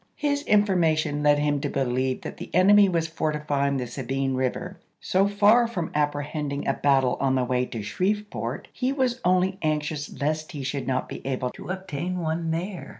His information led him to believe that the enemy was fortifying the Sabine Eiver; so far from apprehending a battle on the way to Shreveport, he was only ^Hay,*" anxious lest he should not be able to obtain one ^"ms. there.